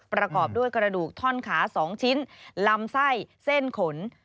ประกอบด้วยกระดูกท่อนขา๒ชิ้นลำไส้เส้นขน